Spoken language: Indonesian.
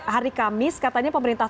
karena hari kamis katanya pemerintah ini